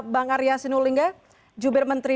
bang arya sinulinga jubir menteri